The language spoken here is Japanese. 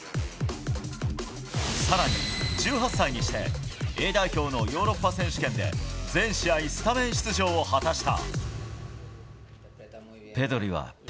更に、１８歳にしてＡ代表のヨーロッパ選手権で全試合スタメン出場を果たした。